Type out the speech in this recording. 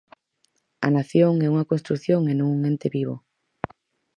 A nación é unha construción e non un ente vivo.